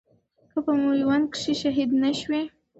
که په ميوند کښي شهيد نه شوې